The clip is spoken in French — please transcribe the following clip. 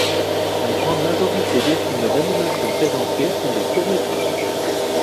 La grande majorité des films d'animation présentés sont des courts métrages.